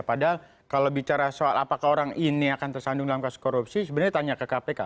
padahal kalau bicara soal apakah orang ini akan tersandung dalam kasus korupsi sebenarnya ditanya ke kpk